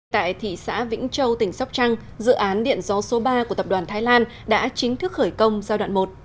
tại thị xã vĩnh châu tỉnh sóc trăng dự án điện gió số ba của tập đoàn thái lan đã chính thức khởi công giai đoạn một